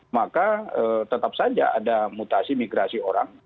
maka tetap saja ada mutasi migrasi orang